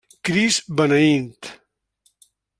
Crist beneint.